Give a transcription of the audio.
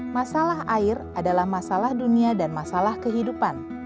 masalah air adalah masalah dunia dan masalah kehidupan